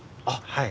はい。